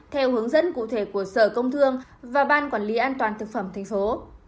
theo hướng dẫn cụ thể của sở công thương và ban quản lý an toàn thực phẩm thành phố